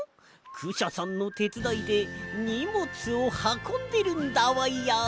クシャさんのてつだいでにもつをはこんでるんだわや。